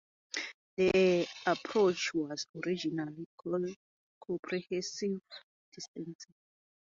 The approach was originally called "comprehensive distancing".